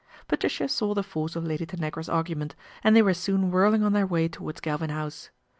Patricia saw the force of Lady Tanagra's argu ment, and they were soon whirling on their way towards Galvin House.